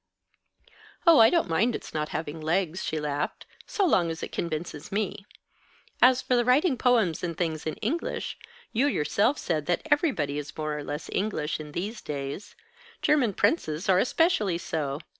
"Oh, I don't mind its not having legs," she laughed, "so long as it convinces me. As for writing poems and things in English, you yourself said that everybody is more or less English, in these days. German princes are especially so.